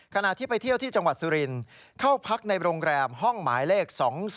ขณะที่ไปเที่ยวที่จังหวัดสุรินทร์เข้าพักในโรงแรมห้องหมายเลข๒๒